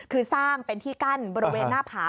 คือสร้างเป็นที่กั้นบริเวณหน้าผา